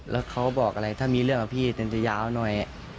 แล้วเขาบอกอะไรถ้ามีเรื่องกับพี่เต้นจะยาวหน่อย